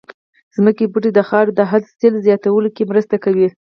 ځمکې بوټي د خاورې د حاصل زياتولو کې مرسته کوي